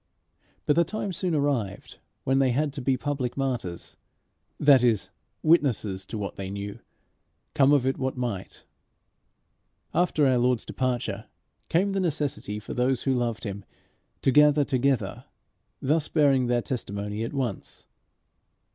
But the time soon arrived when they had to be public martyrs that is, witnesses to what they knew, come of it what might. After our Lord's departure came the necessity for those who loved him to gather together, thus bearing their testimony at once.